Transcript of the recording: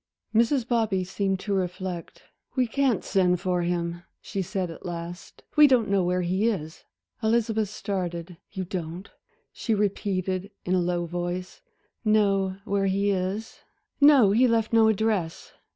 Mrs. Bobby seemed to reflect. "We can't send for him," she said at last, "we don't know where he is." Elizabeth started. "You don't," she repeated, in a low voice, "know where he is?" "No, he left no address.